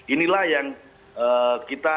inilah yang kita